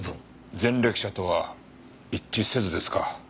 前歴者とは一致せずですか。